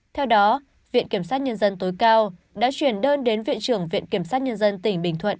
theo đó viện kiểm sát nhân dân tối cao đã chuyển đơn đến viện trưởng viện kiểm sát nhân dân tỉnh bình thuận